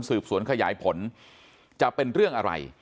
สืบสวนขยายผลจะเป็นเรื่องอะไร